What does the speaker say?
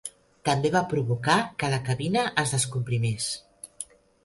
També va provocar que la cabina es descomprimís.